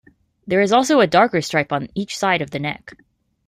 There is also a darker stripe on each side of the neck.